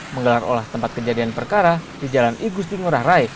menggelar olah tempat kejadian perkara di jalan igusti ngurah rai